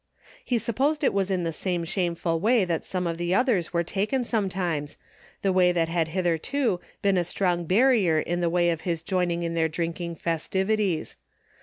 He supposed it was in the same shameful way that some of the others were taken sometimes, the way that had hitherto been a strong barrier in the way of his joining in their drinking festivities.